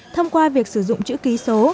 thông qua việc sử dụng chữ ký số